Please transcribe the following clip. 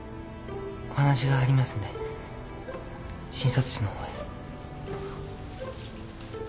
お話がありますんで診察室のほうへ。